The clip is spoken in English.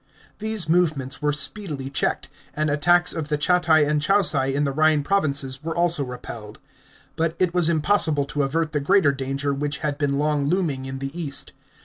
These movements were speedily checked, and attacks of the Chatti and Chauci in the Rhine provinces were also repelled. But it was impossible to avert the greater danger which had been long looming in the east.